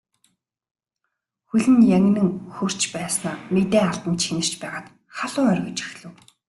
Хөл нь янгинан хөрч байснаа мэдээ алдан чинэрч байгаад халуу оргиж эхлэв.